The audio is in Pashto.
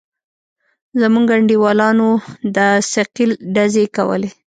زموږ انډيوالانو د ثقيل ډزې کولې.